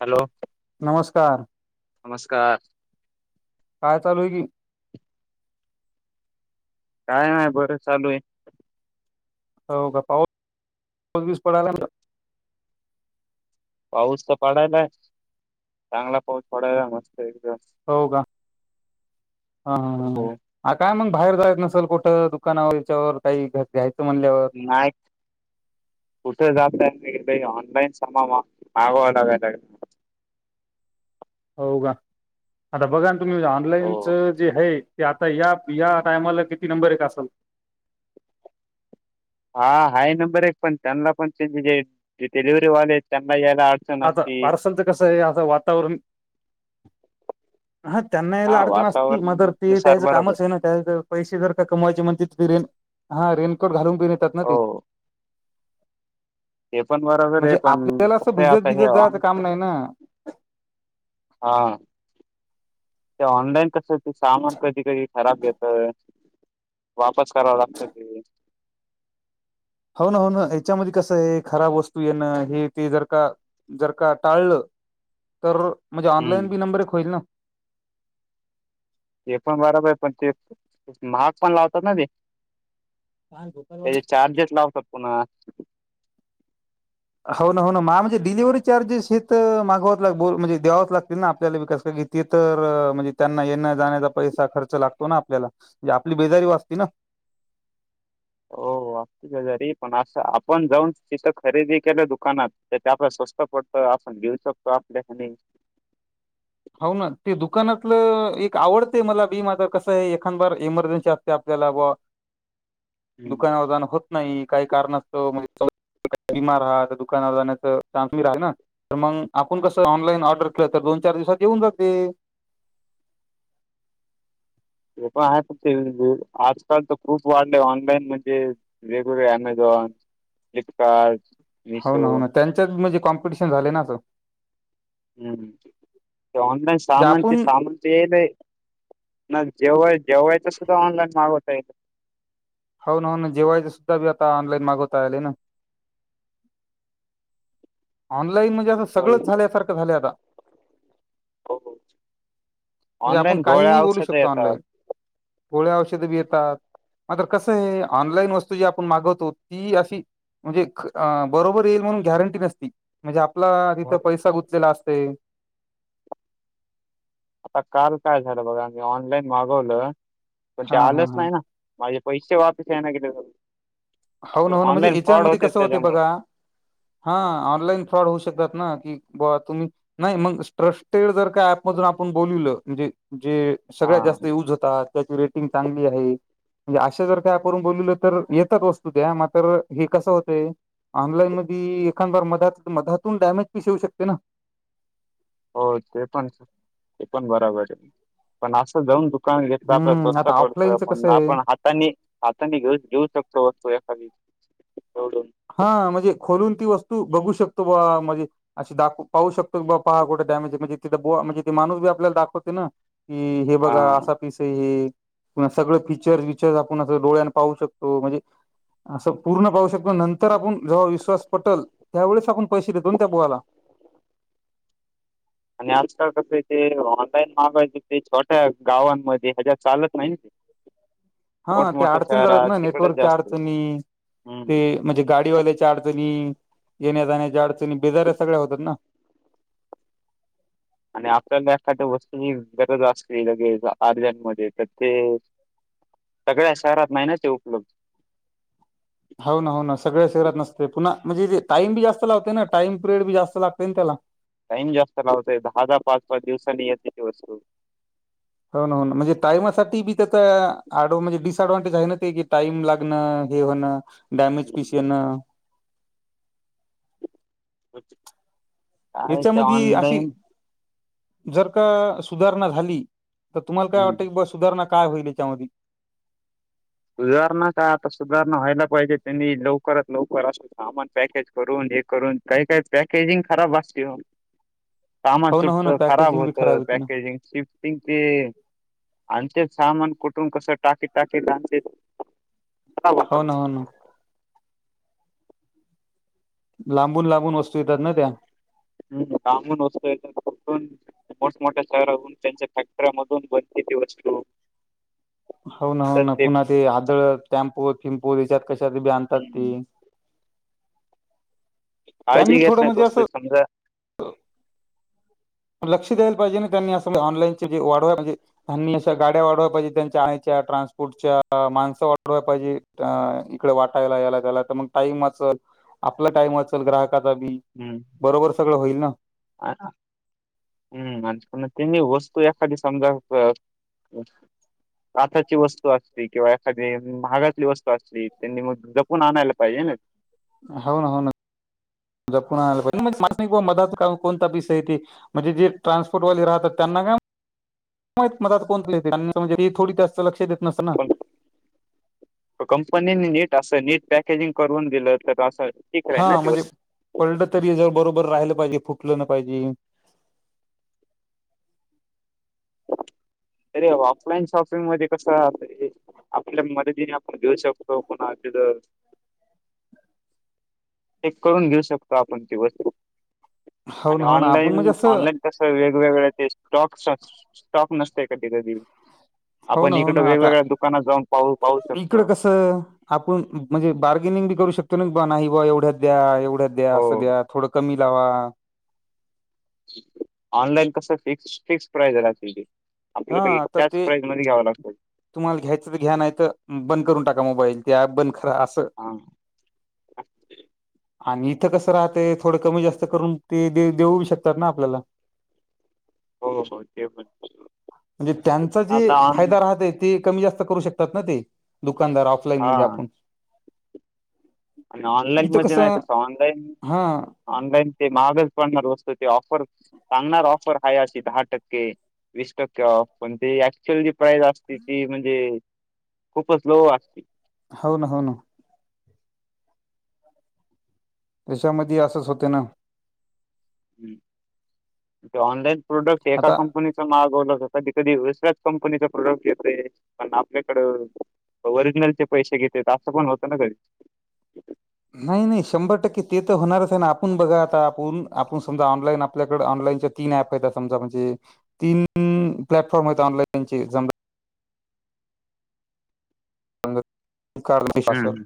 Hello नमस्कार. नमस्कार काय चालू हाय की काय नाय बरं चालू हे हो का पाऊस पाऊस बिउस पडाय लागलं पाऊस त पडायलाय चांगला पाऊस पडायला मस्त एकदम हो का हा हा हो हा [inaudible] आर काय मग बाहेर जायच नसेल कुठं दुकानावर याच्यावर काही घ्यायचं म्हणल्यावर नाय कुठ जात नाहीत मी इथं ऑनलईन समान मागवाय लगाय लागतंय हो का आता बघा तुम्ही हो ऑनलाईनच जे हाय ते आता या या टायमाला किती नंबर एक असेल हा हाय नंबर एक पण त्यांना पण त्याचे जे डिलिव्ही वाले आहेत त्यांना यायला अडचण आता असती पार्सलच कसं आहे आता वातावरण हा त्यांना याला हा अडचण असतील वातावरण मगर ते नुसार त्यायचं बरोबर कामच आहे ना त्याचं पैसे जर का कमावायचे म्हणते ते रेन हा रेनकोट घालून घेऊन येतात ना ते हो ते पण बरोबर आहे पण कसं आहे आता हे एकजनाचा ऑन काम नाही ना हा ते ऑनलाईन कस ते सामान कधी कधी खराब येत वापस करावा लागतं ते होना होना याच्यामध्ये कसं आहे खराब वस्तू येणं हे ते जर का जर का टाळलं तर म्हणजे ऑनलाईन हम्म बी नंबर एक होईल ना ते पण बराबर आहे पण ते महाग पण लावतात ना ते त्याचे चार्जेस लावतात पुन्हा होना होना माझ्या मते डिलिव्हरी चार्जेस हे त मागावावेच लागतील म्हणजे द्यावच लागतील ना आपल्याला बी कस काय ते तर म्हणजे त्यांना येना जाण्याचा पैसा खर्च लागतो ना आपल्याला म्हणजे आपली बेजारी वाचते ना. हो हो [inaudible] घरी पण असं आपण जाऊन तिथं खरेदी केलं दुकानात तर ते आपल्या स्वस्त पडत आस. घेऊ शकतो आपल्या हाताने हो ना ते दुकानातलं एक आवडते मला बी माझ कसं आहे एखांद बार एमर्जन्सी असते आपल्याला बुवा. हम्म. दुकानावर जाणं होत नाही काही कारणास्तव म्हणजे बीमार आहे तर दुकानावर जाण्याचा चान्स मी रा ना तर मग आपण कसं ऑनलाईन ऑर्डर केलं तर दोन चार दिवसात येऊन जाते ते पण आहे पण ते [inaudible] आजकाल तर खूप वाढलय ऑनलाईन म्हणजे वेगवेगळे अमेझॉन, फ्लिपकार्ट मिशो होना होना त्यांच्यात म्हणजे कॉम्पिटिशन झाले ना अस हम हम ते ऑनलाईन जे सामान ते आपण सामान त यायलय ना जेवायच जेवायच सुद्धा ऑनलाईन मागवता येत होन हो ना जेवायच सुद्धा बी आता ऑनलाइन मागवता आले ना ऑनलाईन म्हणजे असं सगळंच झाल्यासारखं झालय आता म्हणजे आपण ऑनलाईन गोळ्या काहीही बोलू औषधं शकतो ऑनलाईन येतात गोळ्या औषधे बी येतात मात्र कसं आहे ऑनलाईन वस्तू जी आपण मागवतो ती अशी म्हणजे बरोबर येईल म्हणून गॅरंटी नसती म्हणजे आपला तिथं पैसा गुतलेला असतय. आता काल काय झालं बघा मी ऑनलाईन मागवलं पण ते हा हा आलंच नाही ना माझे पैसे वापस नाही ना केले अजून हो ना हो ना, म्हणजे याच्यामध्ये कसं होते त्याच्यामुळे बघा हा, ऑनलाईन फ्रॉड होऊ शकत ना, की बा तुम्ही नाही मग स्ट्रस्टेड जर का ऍपमधून आपण बोलविलं, म्हणजे जे हा सगळ्यात जास्त युज होतात. त्याची रेटिंग चांगली आहे, म्हणजे अशा जर का एप वरून बोलविलं तर, येतात वस् तू त्या मातर, हे कसं होतंय ऑनलाईन मध्ये एखांदबार मधात मधातून डॅमेज पिस येऊ शकते ना? हो ते पण, ते पण बरोबर आहे, पण असं जाऊन दु कानात घेतलं तर आपण हम्म स्वस्त आता पडतंय, ऑफलाईनच पण कसं आहे आपण ह तानी हातानी घेऊ घेऊ शकतो वस्तू एखादी [unintelligible] हा म्हणजे, खोलून ती वस्तू बघू शकतो बा म्हणजे अशी दाखव पाहू शकतो बप्पा, कुठे डॅमेज आहे म्हणजे ती ब म्हणजे तेे माणूस बी आपल्याला दाखवते ना? कि हे हा बघा असं पिसय, पुन्हा सगळं फीचर विचर आपण असं डोळ्यानं पाहू शकतो, म्हणजे असं पूर्ण पाहू शकतो, नंतर आपण जेव्हा विश्वास पटल, त्यावेळेस आपण पैसे देतो ना त्या बुवाला. आणि आजकाल कसं आहे ते ऑनलाईन मागायच ते छोट्या गावांमध्ये ह्याच्यात चालत नाही. ते हा, ते मोठमोठ्या अडचणी झालेत शहरात ना, तिकडच नेटवर्कच्या जास्त आहे. अडचणी हम्म ते म्हणजे गाडीवाल्याच्या अडचणी, येण्या जाण्याच्या अडचणी बिजाऱ्या सगळ्या होतात ना. आणि आपल्याला एखाद्या वस्तूची, गरज असली लगेच अर्जंटमध्ये तर ते सगळ्या शहरात नाही ना ते उपलब्ध. हो ना हो ना, सगळ्या शहरात नसते, पुन्हा म्हणजे ते टाईम बी जास्त लावते ना, टाईम पिरियड बी जास्त लागते ना त्याला. टाइम जास्त लावतंय, दहा दहा पाच पाच दिवसांनी येते ती वस्तू. हो ना हो ना, म्हणजे टायमासाठी बी तीथं, अड म्हणजे डिसडव्हांटेज आहे ना ते, की टाइम लाग न हे होणं डॅमेज पीस येणं. [inaudible] ते याच्यामध्ये अशी ऑनलाईन जर का सुधारणा झाली, तर तुम्हाला काय हम्म वाटतं की बा सुधारणा काय होईल याच्यामधी? सुधारणा काय आता सुधारणा व्हायला पाहिजे, त्यांनी लवकरात लवकर अस सामान पॅकेज करून हे करून, काही काही पॅकेजिंग खराब असते ओ. सामान हो ना हो ना तुटतं, खराब पॅकेजिंग बी होतं, येते ना पॅकेजिंग शि टिंग ते, आणतेत सामान कुठून कसं टाकीत टाकीत आणतेत हो ना हो ना. लांबून लांबून वस्तू येतात ना त्या. हम्म, लांबून वस्तू येत्यात [unintelligible] मोठमोठ्या शहरातुन त्यांच्या फॅक्टऱ्यामधून बनते ती वस्तू. हो ना हो ना, पुन्हा ते आदळ टॅम्पो थिम्पो त्याच्यात कशात बी आणतात ते. हम्म काळजी त्यांनी घेत थोडं नाहीत म्हणजे असं वस्तूची, समजा लक्ष द्यायला पाहिजे ना त्यांनी अस ऑनलाईनचे जे, वाढवा म्हणजे त्यांनी अशा गाड्या वाढवाय पाहिजे त्यांच्या आणायच्या ट्रान्सपोर्टच्या, माणसं वाढवाय पाहिजेत. आ इकडं वाटायला याला त्याला, तर मग टाइम वाचल आपला टाइम वाचल ग्राहकाचा बी. बरोबर सगळं होईल ना? हा ना. हम्म, आणि पुन्हा त्यांनी वस्तू एखादी समजा काचाची वस्तू असली किंवा एखादी महागातली वस्तू असली, त्यांनी मग जपून आणायला पाहिजे ना? हो ना हो ना, जपून आणायला पाहिजे, [unintelligible] कोणता पिस आहे ते म्हणजे जे ट्रान्सपोर्ट वाले राहतात त्यांना काय मग म कोणते ते म्हणजे, आणि जे थोडी जास्त लक्ष देत नसत ना. पण कंपनीने नीट असं नीट पॅकेजिंग करून दिलं तर, असं ठीक राहील ना हा ती म्हणजे, वस्तू पडलं तरी जर बरोबर राहिलं पाहिजे फुटलं नाय पाहिजे. अरे ऑफलाईन शॉपिंग मध्ये कसं हे आपल्या मददतीन आपण घेऊ शकतो कुणाकड. चेक करून घेऊ शकतो आपण ती वस्तू, हो आणि ना हो ना आपण म्हणजे ऑनलाईन असं ऑनलाईन तस वेगवेगळ्या ते स्टॉक्स, स्टॉक नसतय कधी कधी. हो आपण ना हो इकडं ना आता वेगवेगळ्या दुकानात जाऊन पाहु पाहू शकतो. च. आपुण म्हणजे बार्गेनिंग बी करू शकतो नाही बा एवढ्यात द्या एवढ्यात द्या असं हो. द्या थोडं कमी लावा. ऑनलाईन कस फिक्स, फिक्स प्राइज राहते ती. हा आपल्याला एक आता त्याच ते प्राईज मध्ये घ्यावं लागतं. तुम्हाला घ्यायचं तर घ्या नाहीत, बंद करून टाका मोबाईल ते ॲप बंद करा असं. हा. [inaudible] आणि इथं कसं राहतय थोडं कमी जास्त करून ते दे देऊ शकतात ना आपल्याला. हो हो ते पण म्हणजे त्यांचा जे आता ऑन फायदा राहत ते कमी जास्त करू शकतात ना ते, दुकानदार लाईन हा मधे आपूण. आणि ऑनलाईन मध्ये नाही तस ऑनलाईन हा ऑनलाईन ते महागज पडणार वस्तू ते ऑफर, सांगणार ऑफर आहे अशी दहा टक्के. वीस टक्के ऑफ पण ती ऍक्च्युअल जी प्राईस असते ती म्हणजे खूपच लो असती. हाव ना हाव ना. त्याच्यामध्ये असंच होते ना. हम्म, ते ऑनलाईन प्रोडक्ट एका आता कंपनीच मागवला का कधी कधी वीसऱ्याच कंपनीचा प्रोडक्ट येतय, पण आपल्याकडं ओरिजिनलचे पैसे घेतात असं पण होतं ना कधी. नाही नाही शंभर टक्के ते तर होणारच आहे ना आपूण बघा आता आपूण आपूण समजा ऑनलाईन आपल्याकडे ऑनलाईनच्या तीन ॲपत समजा म्हणजे, तीन प्लॅटफॉर्म आहेत ऑनलाइनचे समजा [unintelligible] शासन. हम्म.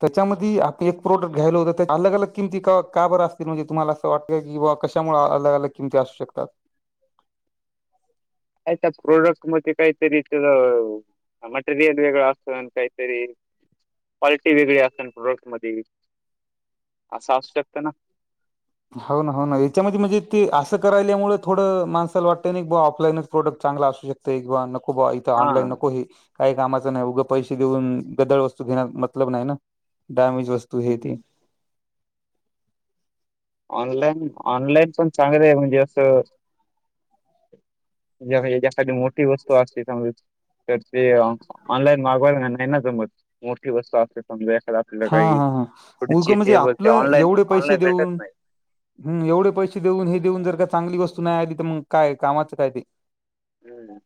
त्याच्यामध्ये आप एक प्रोडक्ट घ्यायला होतं ते अलग अलग किमती का बरं असती म्हणजे तुम्हाला अस वाट की बा कशामुळे अलग अलग किमती असू शकतात. काय त्या प्रोडक्ट मध्ये काहीतरी मटीरयल वेळ असन कायतरी. क्वालिटी वेगळी असन प्रोडक्ट मध्ये, असं असू शकत ना. हाव ना हाव ना याच्यामध्ये म्हणजे ते असं करायल्यामुळे थोडं माणसाला वाटतं नाही की बा ऑफलाईनच प्रोडक्ट चांगला असू शक त एक बा नको बा इथ हा. ऑनलाईन नको हे. काही कामाचं नाही उगं पैसे देऊन गदळ वस्तू घेण्यात मतलब नाही ना, डॅमेज वस्तू हम्म. हे ते. हम्म. ऑनलाईन ऑनलाईन पण चांगलं आहे म्हणजे असं [unintelligible] यासाठी मो ती वस्तू असते चांगलीच, तर ते, ऑनलाईन मागवा नाही ना जमत. मोठी वस्तू असते समज एकाधा हा हा हा, उगं म्हणजे ते आपलं ऑनलाईन एवढे पैसे ऑनलाईन भेटत देऊन. नाही. हम एवढे पैसे देऊन हे देऊन जर का चांगली वस्तू नाही आली तर मग काय कामाचं काय ते. हम्म.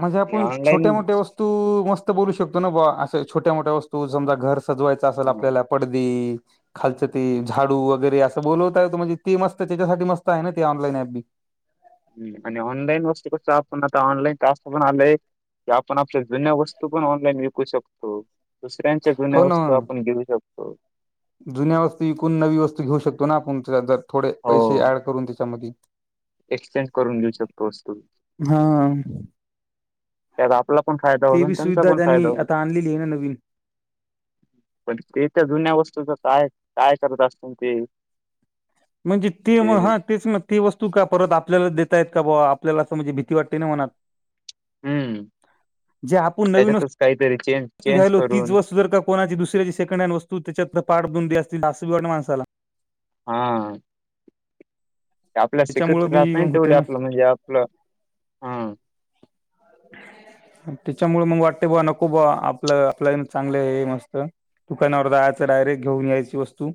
म्हणजे आणि आपण छोट्या ऑनलाईन मोठ्या वस तू मस्त बोलू शकतो ना बावा अस छोट्या मोठ्या वस्तू समजा घर सजवायचा असेल हा आपल्या पड [unintelligible] खालचं ते झाडू वगैरे असं बोलवता येतो म्हणजे ती मस्त त्याच्यासाठी मस्त आहे ना ती ऑनलाईन ऍप बी. आणि ऑनलाईन वस्तू कस आपण आता ऑनलाईन टास्क पण आलंय. की आपण आपल्या जुन्या वस्तू पण ऑनलाईन विकू शकतो, दुसऱ्यां चे जुन्या हो ना वस्तू आपण घेऊ शकतो. जुन्या वस्तू विकून नवी वस्तू घेऊ शकतोना आपण जर थोडे हो पैसे ऍड करून त्याच्यामध्यी. एक्सचेंज करून घेऊ शकतो वस्तू. हा. त्यात आपला पण फायदा होतो ते आणि बी त्यांचा सुविधा पण फायदा त्यांनी होतो. आता आणलेली आहे ना नवीन पण ते तर जुन्या वस्तूच काय, काय करत असतील ते? म्हणजे ते मग हा तेचन ती वस्तू का परत आपल्याला देेतायत का बा आपल्याला असं म्हणजे भीती वाटतेना मनात. हम्म जे आपण नवीन त्याच्यातच काहीतरी चेंज वस्तू चेंज घ्यायलो तीच करून वस्तू जर का कोणाची दुसऱ्या सेकंड हँड वस्तु त्याच्यात पाडबन दे असंल ना माणसाला. हा. आपल्या त्याच्यामुळे सिक्युरिट राहत मी नाही होते तेवढे ना आपलं म्हणजे आपलं हा. त्याच्यामुळे मग वाटते बा नको बा आपलं आपल्या चांगलं हे मस्त. दुकानावर जायच डायरेट घेऊन यायची वस्तू.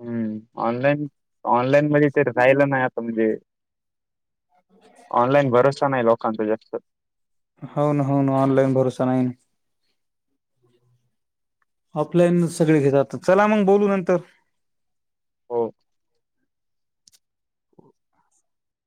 हम्म ऑनलाईन, ऑनलाईन म्हणजे ते राहिलं नाही आता म्हणजे. ऑनलाईन भरोसा नाही लोकांचा जास्त. होवना, होवना ऑनलाईन भरोसा नाहीन. ऑफलाईन सगळे घेतात चला मग बोलू नंतर. हो.